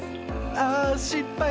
あしっぱい。